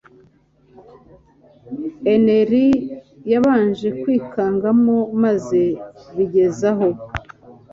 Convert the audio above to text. Henry yabanje kwikangamo maze bigezaho